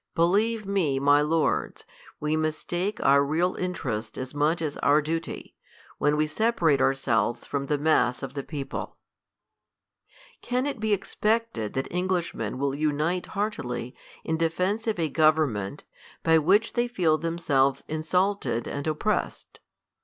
i3elieve me, my lords, we mistake our real interest as much as our duty, when we separate ourselves from the mass of the people, , Csm it be expected that Englishmen will unite heart ily in defence of a government, by which they feel them selves insulted and oppressed